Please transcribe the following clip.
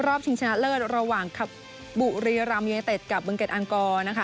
รอบชิงชนะเลิศระหว่างขับบุรีรามยัยเต็ดกับเบื้องเก็ตอังกร